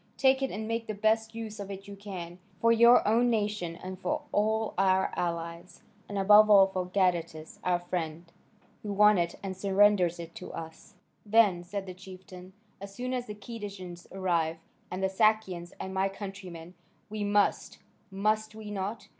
Take it and make the best use of it you can, for your own nation, and for all our allies, and above all for Gadatas, our friend, who won it and surrenders it to us." "Then," said the chieftain, "as soon as the Cadousians arrive and the Sakians and my countrymen, we must, must we not?